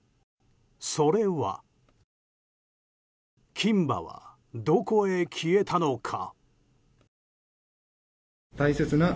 それは金歯は、どこへ消えたのか？